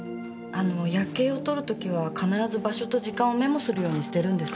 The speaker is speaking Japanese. あの夜景を撮る時は必ず場所と時間をメモするようにしてるんです。